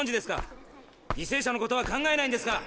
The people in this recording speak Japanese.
ぎせい者のことは考えないんですか！